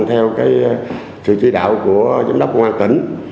theo sự chỉ đạo của giám đốc ngoan tỉnh